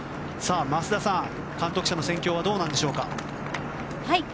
増田さん、監督車の戦況はどうなんでしょうか。